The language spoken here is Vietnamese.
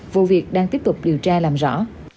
vụ việc đang tiếp tục điều tra làm rõ